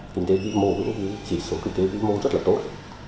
kinh tế vĩ mô chỉ số kinh tế vĩ mô rất là tốt